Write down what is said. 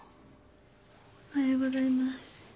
おはようございます。